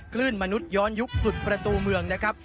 คลื่นมนุษย้อนยุคสุดประตูเมืองนะครับ